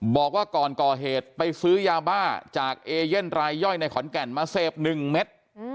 บอกว่าก่อนก่อเหตุไปซื้อยาบ้าจากเอเย่นรายย่อยในขอนแก่นมาเสพ๑เม็ด